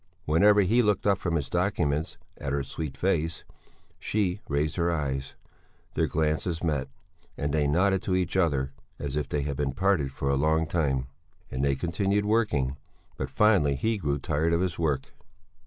Whenever he looked up from his documents at her sweet face, she raised her eyes, their glances met, and they nodded to each other as if they had been parted for a long time. And they continued working. But finally he grew tired of his work.